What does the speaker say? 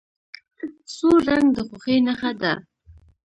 سور رنګ د خوښۍ نښه ده.